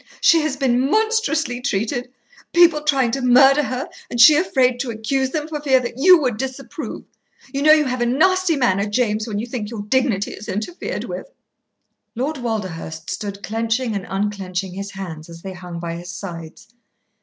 "She has been monstrously treated, people trying to murder her, and she afraid to accuse them for fear that you would disapprove. You know you have a nasty manner, James, when you think your dignity is interfered with." Lord Walderhurst stood clenching and unclenching his hands as they hung by his sides.